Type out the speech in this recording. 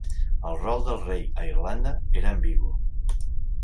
El rol del Rei a Irlanda era ambigu.